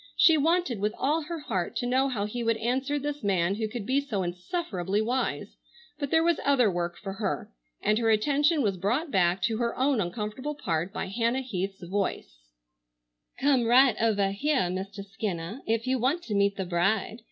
She wanted with all her heart to know how he would answer this man who could be so insufferably wise, but there was other work for her, and her attention was brought back to her own uncomfortable part by Hannah Heath's voice: "Come right ovah heah, Mistah Skinnah, if you want to meet the bride.